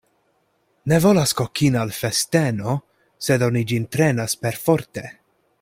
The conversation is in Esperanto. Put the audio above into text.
Ne volas kokin' al festeno, sed oni ĝin trenas perforte.